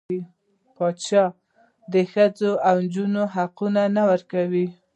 پاچا د ښځو او نجونـو حقونه نه ورکوي .